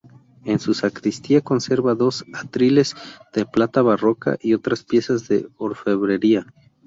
En su sacristía conserva dos atriles de plata barroca y otras piezas de orfebrería.